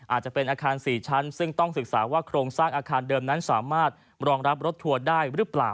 อาจจะเป็นอาคาร๔ชั้นซึ่งต้องศึกษาว่าโครงสร้างอาคารเดิมนั้นสามารถรองรับรถทัวร์ได้หรือเปล่า